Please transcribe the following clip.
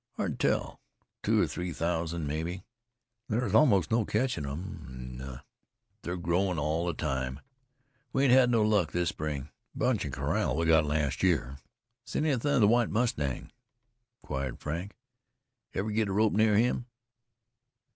"Hard to tell. Two or three thousand, mebbe. There's almost no ketchin' them, an' they regrowin' all the time We ain't had no luck this spring. The bunch in corral we got last year." "Seen anythin' of the White Mustang?" inquired Frank. "Ever get a rope near him?"